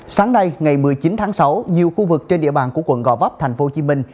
sáng nay ngày một mươi chín tháng sáu nhiều khu vực trên địa bàn của quận gò vấp thành phố hồ chí minh